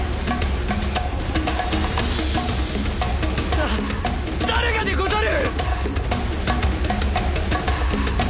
だ誰がでござる！？